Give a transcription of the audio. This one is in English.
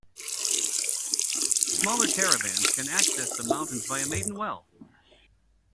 Smaller caravans can access the mountains via Maidenwell.